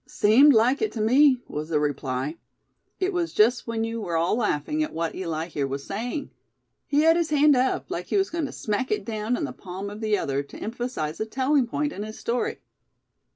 "Seemed like it to me," was the reply. "It was just when you were all laughing at what Eli here was saying. He had his hand up, like he was going to smack it down in the palm of the other, to emphasize a telling point in his story.